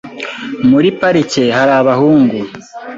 Muri parike hari abahungu .